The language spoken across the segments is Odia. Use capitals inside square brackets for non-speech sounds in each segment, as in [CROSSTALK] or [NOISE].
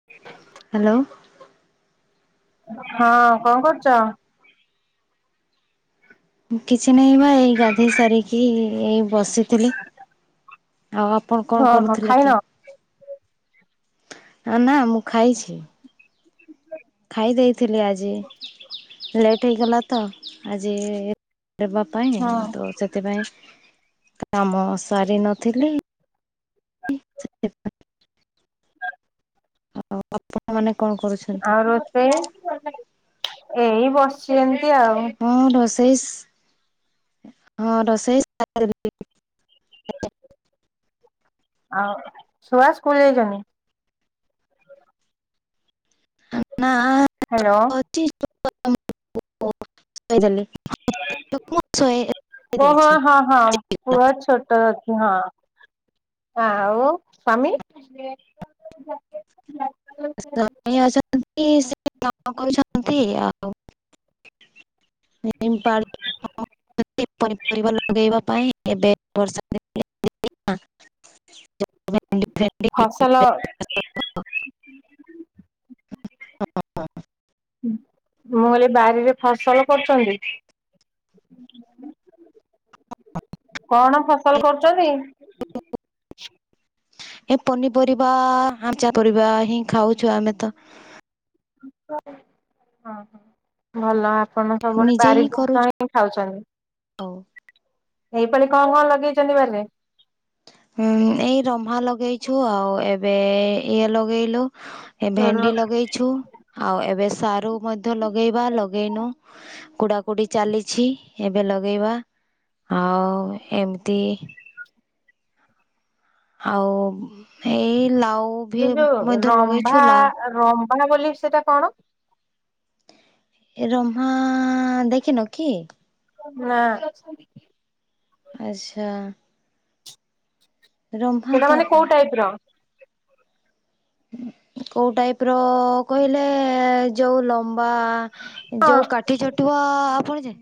[INAUDIBLE] ହ୍ୟାଲୋ। ହଁ କଣ କରୁଚ? କିଛି ନାଇଁ ବା ଏଇ ଗାଧେଇ ସାରିକି ଏଇ ବସିଥିଲି। ଆଉ ଆପଣ କଣ ହଁ ହଁ କରୁଥିଲେ ଖାଇନ? କି? ହଁ ନା ମୁଁ ଖାଇଛି। ଖାଇ ଦେଇଥିଲି ଆଜି ଲେଟ୍ ହେଇଗଲା ତ ଆଜି ଦେବା ପାଇଁ ହଁ ତ ସେଥିପାଇଁ କାମ ସାର ନଥିଲି ଆଉ ଆପଣ ମାନେ କଣ କରୁଛନ୍ତି? ଆଉ ରୋଷେଇ ଏଇ ବସିଛି ଏମିତି ଆଉ। ହଁ ରୋଷେଇ ସ୍ ହଁ ରୋଷେଇ [UNINTELLIGIBLE] ଆଉ ଛୁଆ ସ୍କୁଲ ଯାଇଛନ୍ତି? ନା-ଆ-ଆ ହ୍ୟାଲୋ। [UNINTELLIGIBLE] [UNINTELLIGIBLE] ଯାଇଛି [UNINTELLIGIBLE] ତ ଅଛି ହଁ। ହଁ ଆଉ ସ୍ୱାମୀ ସ୍ୱାମୀ ଅଛନ୍ତି ସେ କଣ କରୁଛନ୍ତି ଆଉ [UNINTELLIGIBLE] [UNINTELLIGIBLE] ପନିପରିବା ଲଗେଇବା ପାଇଁ ଏବେ ବର୍ଷା [UNINTELLIGIBLE] [UNINTELLIGIBLE] ଫସଲ [UNINTELLIGIBLE] ମୁଁ ଏଲେ ବାରିରେ ଫସଲ କରୁଛନ୍ତି? କଣ ଫସଲ କରୁଛନ୍ତି? ଏ ପନିପରିବା-ଆ-ଆ-ଆ ଆଚା ପରିବା ହିଁ ଖାଉଛୁ ଆମେ ତ ଭଲ ଆପଣ ସବୁବେଳେ ନିଜେ ବାରି ହିଁ କରୁଛୁ ଜିନିଷ ହିଁ ଖାଉଛନ୍ତି। ଆଉ। ଏଇପାଳି କଣ କଣ ଲଗେଇଛନ୍ତି ବାରିରେ? ହୁଁ ଏଇ ରହମା ଲଗେଇଛୁ ଆଉ ଏବେ-ଏ-ଏ-ଏ ଇଏ ଲଗେଇଲୁ ଏ ଭେଣ୍ଡି ଲଗେଇଛୁ ଆଉ ଏବେ ସାରୁ ମଧ୍ୟ ଲଗେଇବା ଲଗେଇନୁ କୁଡା କୁଡି ଚାଲିଛି ଏବେ ଲଗେଇବା। ଆଉ-ଉ-ଉ ଏମିତି ଆଉ-ଉ-ଉ ଏଇ ଲାଉ ବି ଏଇ ଯୋଉ ମଧ୍ୟ ଲଗେଇଛୁ ଲାଉ ରମ୍ଭା-ଆ ରମ୍ଭା ବୋଲି ସେଟା? ଏ ରହମା-ଆ-ଆ-ଆ ଦେଖିନ କି? ନାଁ। ଆଚ୍ଛା। ରମ୍ଭା ସେଇଟା ତ ମାନେ କୋଉ ଟାଇପ ର? କୋଉ ଟାଇପ ର-ଅ-ଅ-ଅ କହିଲେ-ଏ-ଏ-ଏ ଯୋଉ ଲମ୍ବା-ଆ-ଆ-ଆ ହଁ ଯେଉଁ କାଠି ଛଟୁଆ-ଆ-ଆ-ଆ ଆପଣ ଯା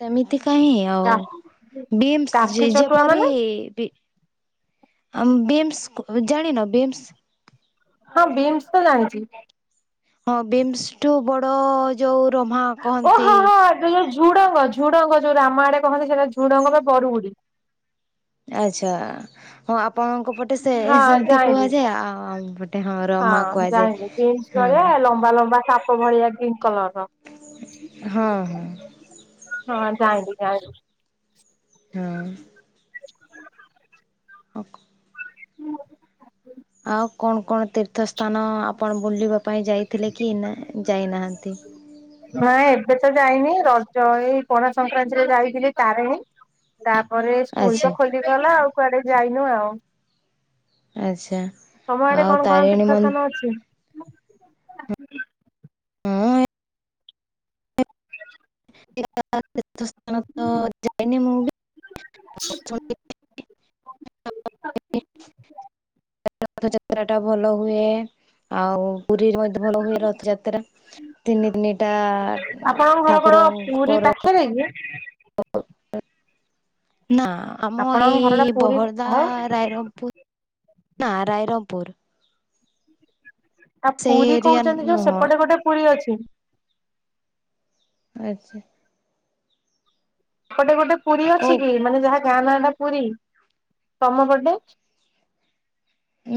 ସେମିତି କାହିଁ କା ଆଉ ବିମ୍ସ କାଠି ଯେ ଚଟୁଆ ଯେପରି ମାନେ ବି ଆଉ ବିମ୍ସ ଜାଣିନ ବିମ୍ସ? ହଁ ବିମ୍ସ ତ ଜାଣିଛି। ହଁ ବିମ୍ସ ଠୁ ବଡ଼-ଅ-ଅ ଯେଉଁ ରହମା କହନ୍ତି। ଏ ଯୋଉ ଝୁଡଙ୍ଗ ଝୁଡଙ୍ଗ ଯୋଉ ରାମ ଆଡେ କହନ୍ତି ସେଟା ଝୁଡଙ୍ଗ ବା ବରୁଗୁଡି। ଆଛା-ଆ ହଁ ଆପଣଙ୍କ ପଟେ ସେ ହଁ ସେମିତି ଜାଇଁଲି କୁହାଯାଏ ଆଉ ଆମ ପଟେ ହଁ ରମା ହଁ କୁହାଯାଏ ହଁ। ଙ୍କ ଭଳିଆ ଗ୍ରୀିନ କଲର୍ ର। ହଁ ହଁ। ହଁ ଯାଇଲି ଯାାଇଲି। ହଁ। ହଉ। ହୁଁ ଆଉ କଣ କଣ ତୀର୍ଥସ୍ଥାନ ଆପଣ ବୁଲିବା ପାଇଁ ଯାଇଥିଲେ କି ନା ଯାଇନାହାନ୍ତି? ନାଇ ଏବେ ତ ଯାଇନି ରଜ ଏଇ ପଣା ସଂକ୍ରାନ୍ତିରେ ଯାଇଥିଲି ତାରଣି ତାପରେ ସ୍କୁଲ ଆଚ୍ଛା ତ ଖୋଲିଗଲା ଆଉ କୁଆଡେ ଯାଇନୁ ଆଉ। ଆଚ୍ଛା। ତମ ଆଡେ ଆଉ କଣ କଣ ତାରିଣୀ ମନ୍ଦ ତୀର୍ଥସ୍ଥାନ ଅଛି? ହଁ ତୀର୍ଥ ସ୍ଥାନ ତ ଯାଇନି ମୁଁ ବି [UNINTELLIGIBLE] ରଥଯାତ୍ରା ଟା ଭଲ ହୁଏ ଆଉ ପୁରୀରେ ମଧ୍ୟ ଭଲ ହୁଏ ରଥଯାତ୍ରା ତିନି ତିନିଦିନିଟା ଆପଣଙ୍କ ଘର କଣ ଠାକୁରଙ୍କର [UNINTELLIGIBLE] ନା ଆମ ଆପଣଙ୍କ ଏଇ ଘର ଟା ପୁରୀ ବହର୍ଦା ଆଉ ରାଇରଙ୍ଗପୁର ନା ରାଇରାମପୁର ଆ ସେଇ ପୁରୀ ଏରିଆ କହୁଛନ୍ତି ଯୋଉ ନୁହଁ ସେପଟେ ଗୋଟେ ପୁରୀ ଅଛି। ଆଚ୍ଛା। ପଟେ ଗୋଟେ ପୁରୀ ଅଛି କୋଉ କି ମାନେ ଯାହା ଗାଁ ନାଁଟା ପୁରୀ ତମ ପଟେ?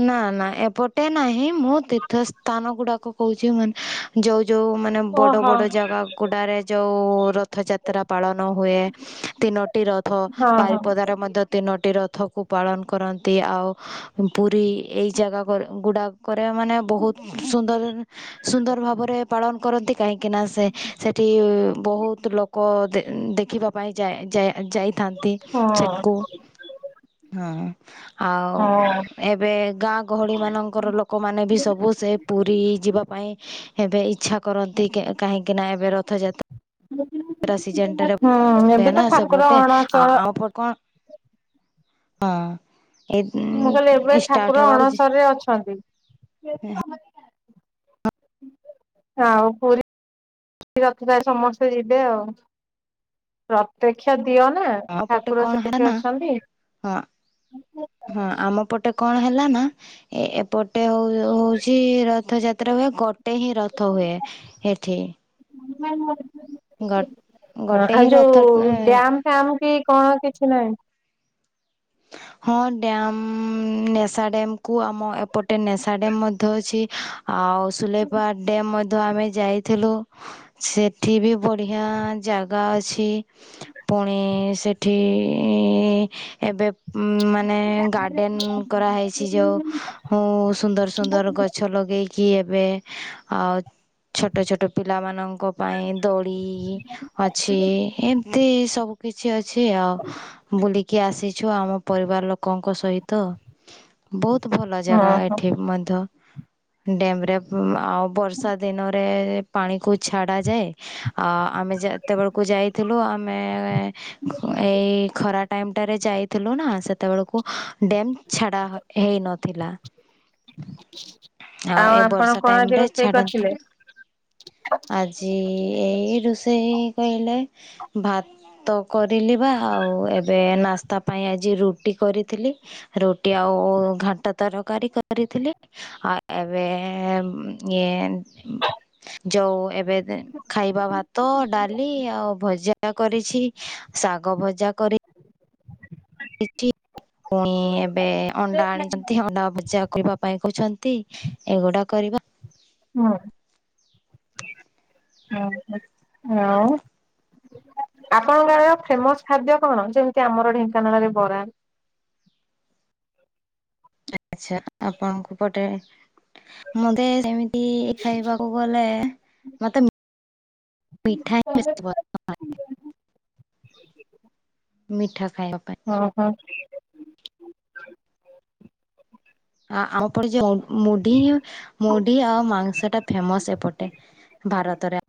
ନା ନା ଏପଟେ ନାହିଁ ମୁଁ ତୀର୍ଥ ସ୍ଥାନ ଗୁଡାକ କହୁଛି ମାନେ ଯୋଉ ଯୋଉ ମାନେ ଓହୋ ବଡ଼ ହଁ ବଡ଼ ଜାଗା ଗୁଡ଼ାରେ ଯୋଉ ରଥଯାତ୍ରା ପାଳନ ହୁଏ ତିନୋ ଟି ରଥ ହଁ। ବାରିପଦାରେ ମଧ୍ୟ ତିନୋଟି ରଥକୁ ପାଳନ କରନ୍ତି, ଆଉ ପୁରୀ ଏଇ ଜାଗା ଗ ଗୁଡ଼ା କରେ ମାନେ ବହୁତ୍ ସୁନ୍ଦର୍ ସୁନ୍ଦର୍ ଭାବରେ ପାଳନ କରନ୍ତି। କାହିଁକିନା ସେ ସେଠି ବହୁତ୍ ଲୋକ ଦେ ଦେଖିବା ପାଇଁ ଯା ଯା ଯାଇଥାନ୍ତି ହଁ ସେଟ୍ କୁ। ହଁ ଆଉ ହଁ ଏବେ ଗାଁ ଗହଳିମାନଙ୍କର ଲୋକମାନେ ବି ସବୁ ସେ ପୁରୀ ଯିବା ପାଇଁ ଏବେ ଇଚ୍ଛା କରନ୍ତି କାହିଁକିନା ଏବେ ରଥଯାତ ତ୍ରା ସିଜନ୍ ଟାରେ ହୁଁ ଏବେ ହୁଏ ତ ନା ଠାକୁର ସେପଟେ ଆ ଅଣସର [UNINTELLIGIBLE] କଣ ହଁ [UNINTELLIGIBLE] ମୁଁ କହିଲି ଏବେ ଷ୍ଟାର୍ଟ ଠାକୁର ହବାକୁ ଅଣସରରେ ଅଛନ୍ତି। ଆଉ ପୁରୀ ରଥ [UNINTELLIGIBLE] ସମସ୍ତେ ଯିବେ ଆଉ ପ୍ରତ୍ୟକ୍ଷ ଦିଅଁ ନା। ଆମ ପଟେ ଠାକୁର କଣ ହେଲା ସେଠି ନା ଅଛନ୍ତି। ହଁ ହଁ ଆମ ପଟ୍ ପଟେ କଣ ହେଲା ନା ଏପଟେ ହଉ ହଉଛି ରଥଯାତ୍ରା ହୁଏ ଗୋଟେ ହିଁ ରଥ ହୁଏ। ହେଠି। ଗୋଟେ ଆ ହିଁ ଯୋଉ ରଥ ଡ୍ୟାମ୍ [UNINTELLIGIBLE] କି କଣ କିଛି ନାହିଁ। ହଁ ଡ୍ୟମ୍ ନେସା ଡ୍ୟମ୍ କୁ ଆମ ଏପଟେ ନେସ ଡ୍ୟାମ୍ ମଧ୍ୟ ଅଛି ଆଉ ସୁଲେପା ଡ୍ୟାମ୍ ମଧ୍ୟ ଆମେ ଯାଇଥିଲୁ। ସେଠି ବି ବଢିଆ ଜାଗା ଅଛି। ପୁଣି ସେଠି ଏବେ ଉମ୍-ଉ-ଉ ମାନେ ଗାର୍ଡ଼େନ୍ କରାହେଇଛି ଯୋଉ ହୁଁ-ଉ-ଉ ସୁନ୍ଦର୍-ସୁନ୍ଦର୍ ଗଛ ଲଗେଇକି ଏବେ ଆଉ ଛୋଟ-ଛୋଟ ପିଲାମାନଙ୍କ ପାଇଁ ଦୋଡି ଅଛି ଏମିତି ସବୁ କିଛି ଅଛି ଆଉ, ବୁଲିକି ଆସିଛୁ ଆମ ପରିବାର ଲୋକଙ୍କ ସହିତ, ବହୁତ୍ ଭଲ ହଁ ଜାଗା ହଁ ଏଠି ମଧ୍ୟ ଡ୍ୟାମ୍ ରେ ଆଉ ବର୍ଷା ଦିନରେ ପାଣିକୁ ଛାଡ଼ା ଯାଏ, ଆ-ଆ ଆମେ ଜା ଯେତେବେଳକୁ ଯାଇଥିଲୁ ଆମେ-ଏ-ଏ-ଏ ଖ ଏଇ ଖରା ଟାଇମଟାରେ ଯାଇଥିଲୁ ନା। ସେତେବେଳକୁ ଡ୍ୟେମ୍ ଛାଡା ହେଇ ନଥିଲା। ଆଉ ଏ ଆପଣ ବର୍ଷା କଣ ଆଜି ଟାଇମଟା ରୋଷେଇ ଛାଡନ୍ତି। କରିଥିଲେ? ଆଜି ଏଇ ରୋଷେଇ କହିଲେ ଭାତ କରିଲି ବା ଆଉ ଏବେ ନାସ୍ତା ପାଇଁ ଆଜି ରୁ ଟି କରିଥିଲି ରୁଟି ଆଉ ଘାଣ୍ଟ ତରକାରୀ କରିଥିଲି। ଆଉ ଏବେ-ଏ-ଏ ଇଏ ଯୋଉ ଏବେ ଖାଇବା ଭାତ ଡାଲି ଆଉ ଭଜା କରିଛି ଶାଗ ଭଜା କରି [INAUDIBLE] ପୁଣି ଏବେ ଅଣ୍ଡା ଆଣିଛନ୍ତି ଅଣ୍ଡା ଭଜା କରିବା ପାଇଁ କହିଛନ୍ତି ଏଗୁଡା କରିବା। ହୁଁ ହୁଁ-ହୁଁ ଆଁ ଆପଣଙ୍କ ଗାଆଁର ଆଉ ଫେମସ୍ ଖାଦ୍ୟ କଣ? ଯେମିତି ଆମର ଢେଙ୍କାନାଳରେ ବରା। ଆଚ୍ଛା ଆପଣୁଙ୍କୁ ପଟେ ମତେ ସେମିତି ଖାଇବାକୁ ଗଲେ ମତେ ପିଠା [INAUDIBLE] [INAUDIBLE] ମିଠା ଖାଇବା ପାଇଁ। ହଁ ହଁ। ଆ ଆମ ପଟେ ଯେଉନ୍? ମୁଢି-ଇ-ଇ ମୁଢି ଆଉ ମାଂସଟା ଫେମସ୍ ଏପଟେ ଭାରତରେ।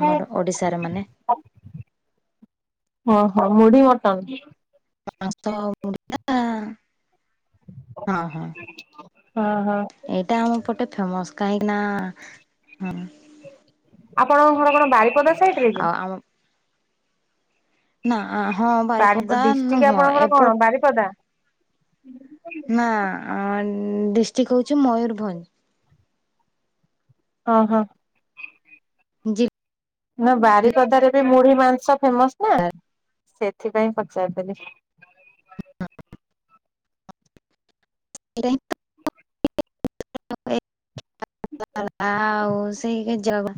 ଆମର ଓଡିଶାରେ ମାନେ ଓହୋଃ ମୁଢି ମଟନ। [INAUDIBLE] ହଁ ହଁ। ଓ ହୋ। ଏଇଟା ଆମ ପଟେ ଫେମସ୍ କାହିଁକି ନା ହଁ ଆପଣଙ୍କ ଘର କଣ ବାରିପଦା ସାଇଟରେ କି? ନାଆଁ-ଆ-ଆ ହଁମ୍। ବାରିପଦ୍ ଡିଷ୍ଟ୍ରିକ୍ ଆପଣଙ୍କର କଣ ବାରିପଦା? ନା-ଆ-ଆ-ଆନ୍-ଅ-ଅ ଡିଷ୍ଟ୍ରିକ୍ ହଉଛି ମୟୂରଭଞ୍ଜ। ଓ ହୋ। ଜିଲ୍ ନା ବାରିିପଦାରେ ବି ମୁଢି ମାଂସ ଫେମସ୍ ନା ସେଥିପାଇଁ ପଚାରିଦେଲି। [UNINTELLIGIBLE] [INAUDIBLE] ଆ-ଆ-ଆ-ଉ ସେଇଗା ଜବା।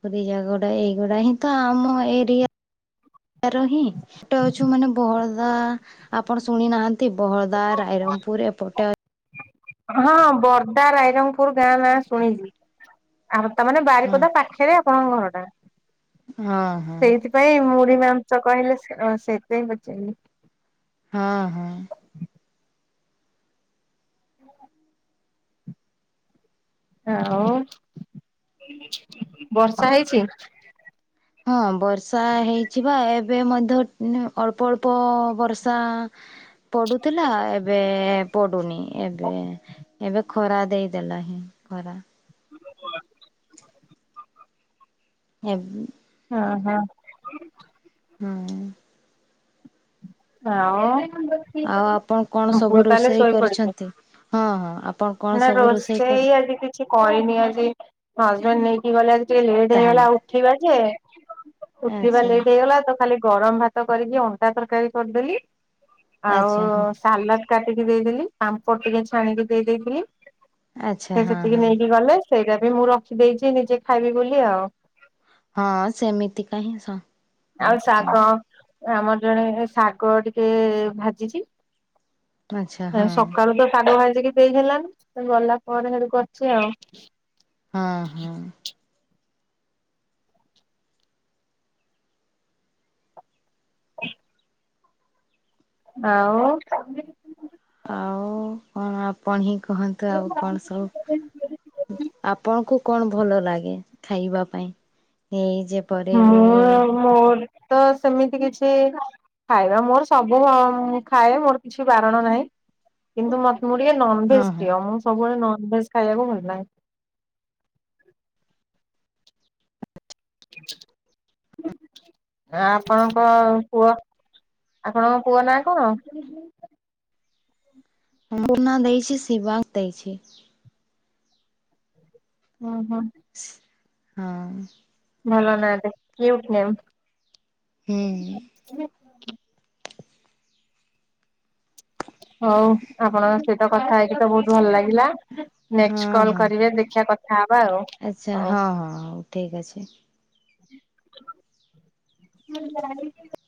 [UNINTELLIGIBLE] ଏଇଗୁଡା ହିଁ ତ ଆମ ଏରିଆ। ତାର ହିଁ ଛୋଟ ଅଛୁ ମାନେ ବର୍ଦା ଆପଣ ଶୁଣି ନାହାଁ ନ୍ତି, ବର୍ଦା, ରାଇରଙ୍ଗପୁର ଏପଟର ହଁ ବର୍ଦ୍ଦା ରାଇରଙ୍ଗପୁର ଗାଆଁ ନାଁଆ ଶୁଣିିଚି। ଆଉ ତାମାନେ ହଁ ବାରିପଦା ପାଖେରେ ଆପଣଙ୍କ ଘରଟା? ହଁ ହଁ। ନାଇଁ ମୁଢି ମାଂସ କହିଲେ ସେ-ସେଇଥିପାଇଁ ପଚାରିଲି। ହଁ ହଁ। [INAUDIBLE] ଆଉ ବର୍ଷା ହେଇଚି। ହଁ ବର୍ଷା ହେଇଛି ପା ଏବେ ଇଂ ମଧ୍ୟ ଅଳ୍ପ ଅଳ୍ପ ବର୍ଷା ଆଁ। ପଡୁଥିଲା ଏବେ ପଡୁନି। ଏବେ ଏବେ ଖରା ଦେଇଦେଲା ହିଁ ଖରା। [INAUDIBLE] ହେବି ଅ ହ। ହୁଁଉଁ। ଆଉ ତମ ଆଉ ଆପଣ କଣ ସବୁ ପୁଅ ତାହଲେ ରୋଷେଇ ଶୋଇ ପଡିଚି। କରିଛନ୍ତି? ହଁ ହଁ ଆପଣ କଣ ନା ସବୁ କରି ରୋଷେଇ ଆଜି କି କିଛି କରିନି ଆଜି ହଜବେଣ୍ଡ ନେଇକି ଗଲେ ଆଜି ଟିକେ ଲେଟ୍ ତାହେଲେ ହେଇଗଲା ଆଉ ଉଠିବା ଯେ ଉଠିବା ଆଚ୍ଛା ଲେଟ୍ ହେଇଗଲା ତ ଖାଲି ଗରମ୍ ଭାତ କରିକି ଅଣ୍ଡା ତରକାରୀ କରିଦେଲି। ଆଉ ଆଚ୍ଛା ହଁ ସାଲଟ୍ କାଟିକି ଦେଇଦେଲି। ପାମ୍ପଡ ଟିକେ ଛାଣିକି ଦେଇ ଦେଇଥିଲି। ଆଚ୍ଛା ସିଏ ହଁ ସେତିକି ହଁ ନେଇକି ଗଲେ। ସେଇଟା ବି ମୁଁ ରଖିଦେଇଚି ନିଜେ ଖାଇବି ବୋଲି ଆଉ। ହଁ ସେମିତିକା ହିଁ ସ ଆଉ ଶାଗ ଆମର ଜଣେ ଏ ଶାଗ ଟିକେ ଭାଜିଚି। ଆଚ୍ଛା ହଁ ଏଁ ସକାଳୁ ତ ସାଗ ଭାଜିକି ଦେଇ ହେଲା ନାଇଁ। ସେ ଗଲା ପରେ ହେଣୁକୁ ଅଛି ଆଉ। ହଁ ହଁ। [INAUDIBLE] ଆଉ ଆଉ କଣ ଆପଣ ହିଁ କୁହନ୍ତୁ ଆଉ କଣ ସବୁ। ଆପଣଙ୍କୁ କଣ ଭଲ ଲାଗେ ଖାଇବା ପାଇଁ? ଏଇ ଯେ ପରି ମୁଁ [UNINTELLIGIBLE] ମୋର ତ ସେମିତି କିଛି ଖାଇବା ମୋର ସବୁ ଖାଏ ମୋର କିଛି ବାରଣ ନାହିଁ କିନ୍ତୁ ମୁଁ ଟିକେ ହଁ ନନଭେଜ୍ ହଁ ପ୍ରିୟ ମୁଁ ସବୁବେଳେ ନନଭେଜ୍ ଖାଇବାକୁ ଭଲ ଲାଗେ। [INAUDIBLE] ଏ ଆପଣଙ୍କ ପୁଅ ଆପଣଙ୍କ ପୁଅ ନାଁ କଣ? ମୋ ପୁଅ ନାଁ ଦେଇଚି ଶିବାକଂ ଦେଇଛି। ଓ ହଁ। ହଁଅ। ଭଲ ନା ଟେ କ୍ୟୁଟ୍ ନେମ। ହୁଁ ହୁଁ। ତୁମେ ହୋଉ ଆପଣଙ୍କ ସହିତ କଥା ହେଇକି ତ ବୋହୁତ ଭଲ ଲାଗିଲା। ନେକଷ୍ଟ କଲ୍ କରିବେ ଦେଖିଆ କ ଆଛା ହଁ ହଁ ହୋଉ ଠିକ୍ ଅଛି। ମୁଁ ଜାଣିନି [UNINTELLIGIBLE]